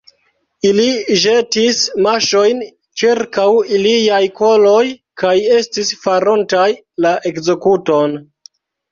Ili ĵetis maŝojn ĉirkaŭ iliaj koloj kaj estis farontaj la ekzekuton.